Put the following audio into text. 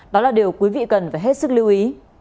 đó là điều quý vị cần phải hết sức lưu ý